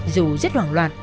dù rất hoảng loạn